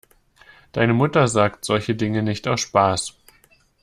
Deine Mutter sagt solche Dinge nicht aus Spaß.